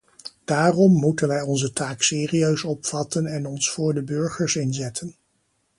Daarom moeten wij onze taak serieus opvatten en ons voor de burgers inzetten.